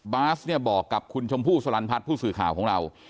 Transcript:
บาสเนี่ยบอกกับคุณชมพู่สลันพัฒน์ผู้สื่อข่าวของเรา